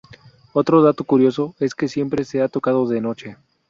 Otro dato curioso es que siempre se ha tocado de noche.